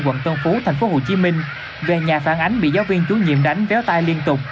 quận tân phú tp hcm về nhà phản ánh bị giáo viên chủ nhiệm đánh véo tay liên tục